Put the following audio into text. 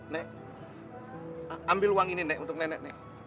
nek ambil uang ini untuk nenek